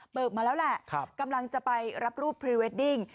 มาแล้วแหละกำลังจะไปรับรูปพรีเวดดิ้ง